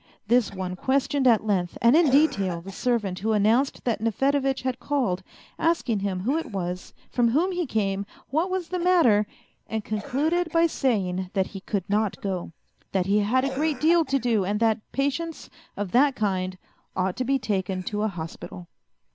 This one questioned at length and in detail the servant who announced that Nefedevitch had called, asking him who it was, from whom he came, what was the matter, and concluded by saying that he could not go, that he had a great deal to do, and that patients of that kind ought to be taken to a hospital.